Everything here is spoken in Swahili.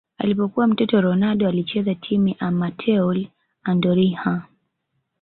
Alipokuwa mtoto Ronaldo alicheza timu ya amateur Andorinha